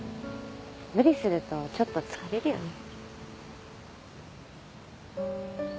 無理するとちょっと疲れるよね